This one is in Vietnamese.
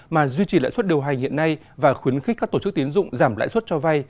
mà duy trì lãi suất điều hành hiện nay và khuyến khích các tổ chức tiến dụng giảm lãi suất cho vay